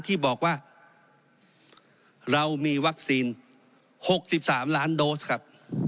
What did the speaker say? ที่บอกว่าเรามีวัคซีน๖๓ล้านโดสครับ